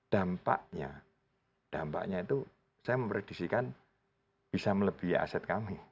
dampaknya dampaknya itu saya memprediksikan bisa melebihi aset kami